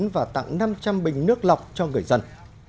và tặng năm trăm linh bình nước lọc cho người dân